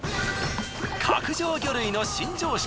角上魚類の新常識